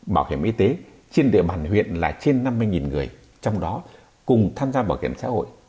bảo hiểm y tế trên địa bàn huyện là trên năm mươi người trong đó cùng tham gia bảo hiểm xã hội